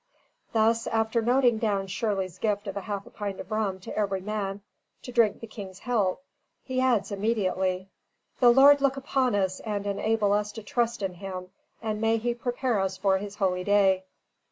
Thus, after noting down Shirley's gift of half a pint of rum to every man to drink the King's health, he adds immediately: "The Lord Look upon us and enable us to trust in him & may he prepare us for his holy Day."